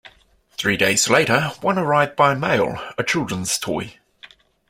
Three days later, one arrived by mail - a children's toy.